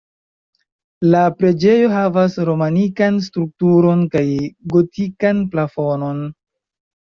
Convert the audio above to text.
La preĝejo havas romanikan strukturon kaj gotikan plafonon.